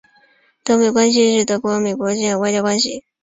德美关系是指德国和美国间的外交关系。